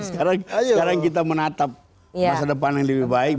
sekarang kita menatap masa depan yang lebih baik